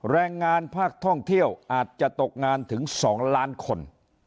แรงงานภาคท่องเที่ยวอาจจะตกงานถึง๒ล้านคน